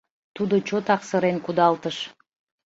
Тудо чотак сырен кудалтыш.